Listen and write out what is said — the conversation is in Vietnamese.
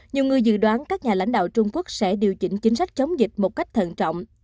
nhiều người dự đoán các nhà lãnh đạo trung quốc sẽ điều chỉnh chính sách chống dịch một cách thận trọng